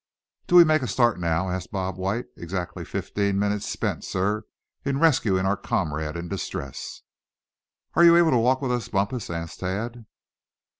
"Do we make a start now?" asked Bob White; "exactly fifteen minutes spent, suh, in rescuing our comrade in distress." "Are you able to walk with us, Bumpus?" asked Thad.